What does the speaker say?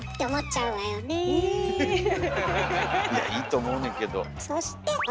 いやいいと思うねんけど。